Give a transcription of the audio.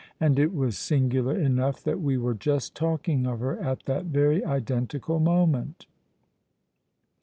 And it was singular enough that we were just talking of her at that very identical moment."